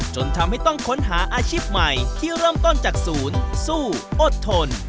จนทำให้ต้องค้นหาอาชีพใหม่ที่เริ่มต้นจากศูนย์สู้อดทน